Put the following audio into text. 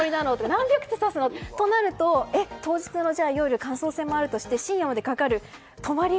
何百手、指すのとなると当日の夜感想戦もあるとして深夜までかかる？泊まり？